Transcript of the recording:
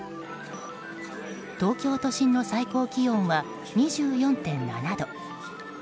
東京都心の最高気温は２４．７度。